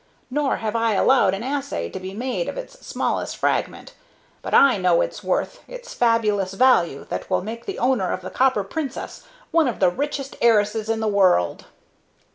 Nor have I allowed an assay to be made of its smallest fragment; but I know its worth, its fabulous value, that will make the owner of the Copper Princess one of the richest heiresses in the world."